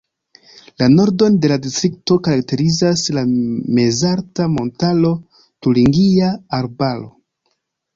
La nordon de la distrikto karakterizas la mezalta montaro Turingia Arbaro.